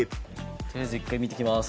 取りあえず１回見てきまーす。